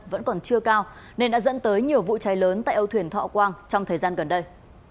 vẫn còn chưa cao nên đã dẫn tới nhiều vụ cháy lớn tại âu thuyền thọ quang trong thời gian gần đây